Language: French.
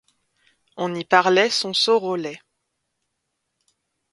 On y parlait sonsorolais.